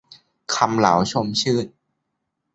คำหล้า ชมชื่น